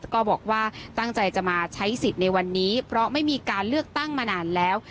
ก็บอกว่าตั้งใจจะมาใช้สิทธิ์ในวันนี้เพราะไม่มีการเลือกตั้งมานานแล้ว